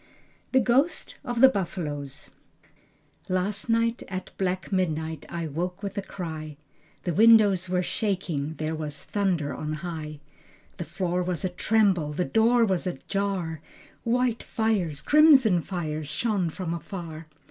The Ghosts of the Buffaloes Last night at black midnight I woke with a cry, The windows were shaking, there was thunder on high, The floor was a tremble, the door was a jar, White fires, crimson fires, shone from afar.